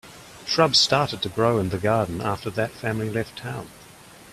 Shrubs started to grow in the garden after that family left town.